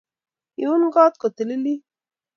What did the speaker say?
lun koot kotililit